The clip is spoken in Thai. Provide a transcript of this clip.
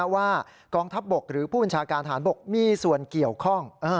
ว่ากองทัพบกหรือผู้บัญชาการฐานบกมีส่วนเกี่ยวข้อง